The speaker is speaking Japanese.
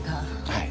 はい。